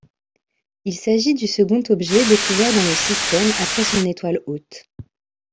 Il s'agit du second objet découvert dans le système après son étoile hôte.